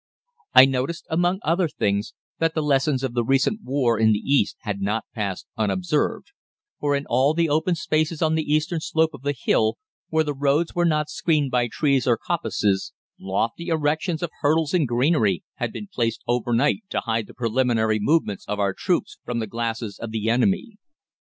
"I noticed among other things that the lessons of the recent war in the East had not passed unobserved, for in all the open spaces on the eastern slope of the hill, where the roads were not screened by trees or coppices, lofty erections of hurdles and greenery had been placed overnight to hide the preliminary movements of our troops from the glasses of the enemy.